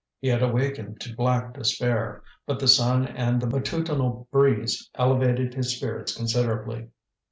He had awakened to black despair, but the sun and the matutinal breeze elevated his spirits considerably.